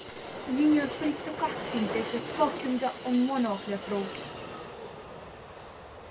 Viņas britu kaķim tikai smokinga un monokļa trūkst!